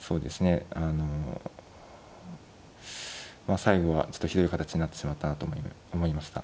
あのまあ最後はちょっとひどい形になってしまったなと思いました。